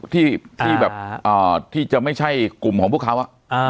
ที่ที่แบบอ่าที่จะไม่ใช่กลุ่มของพวกเขาอ่ะอ่า